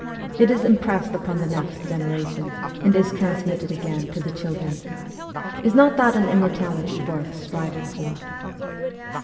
It is impressed upon the next generation, and is transmitted again to the children. Is not that an immortality worth striving for